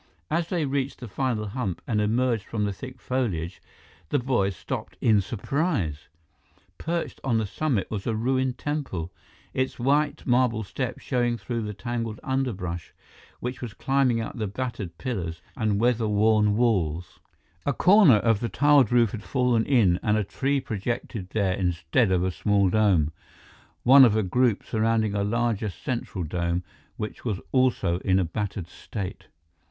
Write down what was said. As they reached the final hump and emerged from the thick foliage, the boys stopped in surprise. Perched on the summit was a ruined temple, its white marble steps showing through the tangled underbrush, which was climbing up the battered pillars and weather worn walls. [Illustration: Perched on the summit was a ruined temple] A corner of the tiled roof had fallen in and a tree projected there instead of a small dome, one of a group surrounding a larger central dome, which was also in a battered state.